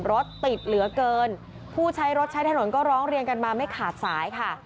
รถติดเหลือเกินผู้ใช้รถใช้ถนนก็ร้องเรียนกันมาไม่ขาดสายค่ะ